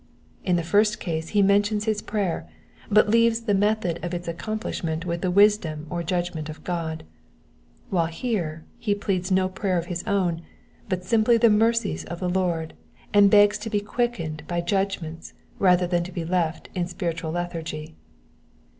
In the first case ho mentions his prayer, but leaves the method of its accomplishment with the wisdom or judgment of God ; while here he pleads no prayer of his own, but simply the mercies of the Lord, and begs to be quickened by judgments rather than to be left to spiritual lethargy.